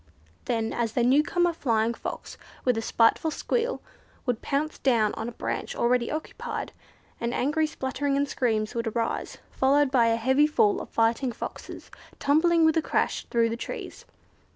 Then the new comer Flying Fox, with a spiteful squeal, would pounce down on a branch already occupied, and angry spluttering and screams would arise, followed by a heavy fall of fighting Foxes tumbling with a crash through the trees.